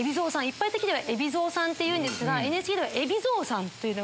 一般的には海老蔵さんっていうんですがＮＨＫでは海老「蔵」さんという。